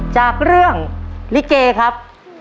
จากเรื่องลิเกครับ